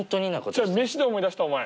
飯で思い出したお前。